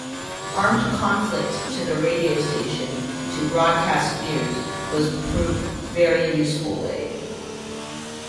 Armed conflict to the radio station to broadcast news was proved very useful way.